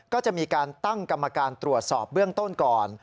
ก็จะมีการตั้งกรรมการตรวจสอบเบื้องต้นก่อน